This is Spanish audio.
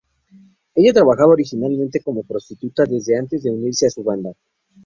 Ella trabaja originalmente como prostituta desde antes de unirse a su banda.